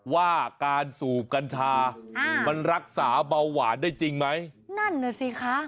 ว่าการสูบกัญชามันรักษาเบาหวานได้จริงไหมนั่นน่ะสิคะ